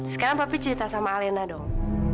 sekarang papa cerita sama alena dong